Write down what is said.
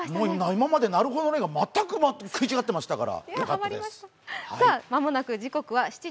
今まで、「なるほどね」が全く食い違ってましたから。